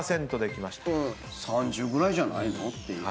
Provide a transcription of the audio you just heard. ３０ぐらいじゃないの？っていう。